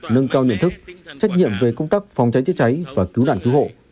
nâng cao nhận thức trách nhiệm về công tác phòng cháy chữa cháy và cứu nạn cứu hộ